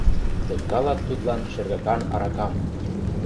Темкалат тудлан шергакан аракам;